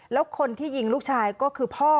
แล้วคนที่ยิงลูกชายก็คือพ่อ